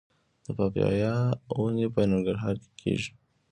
د پاپایا ونې په ننګرهار کې کیږي؟